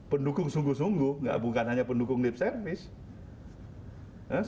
pendukung sungguh sungguh bukan hanya pendukung lip service